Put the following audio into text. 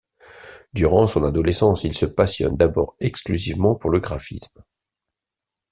Durant son adolescence, il se passionne d'abord exclusivement pour le graphisme.